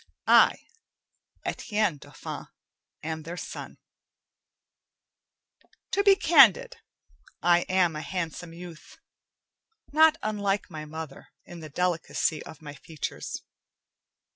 I, Etienne Dauphin, am their son. To be candid, I am a handsome youth, not unlike my mother in the delicacy of my features.